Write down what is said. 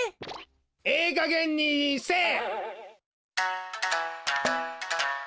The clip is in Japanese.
ええかげんにせえ！